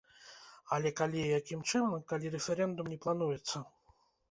Але калі і якім чынам, калі рэферэндум не плануецца?